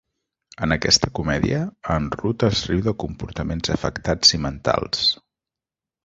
En aquesta comèdia, Aanrud es riu de comportaments afectats i mentals.